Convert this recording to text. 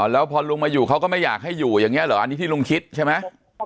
แล้วพอลุงมาอยู่เขาก็ไม่อยากให้อยู่อย่างนี้เหรออันนี้ที่ลุงคิดใช่ไหม